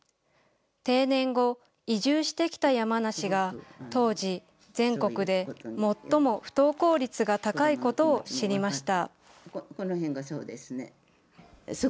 定年後、移住してきた山梨が当時、全国で最も不登校率が高いことを知りました。